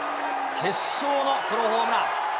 決勝のソロホームラン。